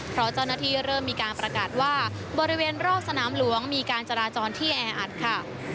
เพราะเจ้าหน้าที่เริ่มมีการประกาศว่าบริเวณรอบสนามหลวงมีการจราจรที่แออัดค่ะ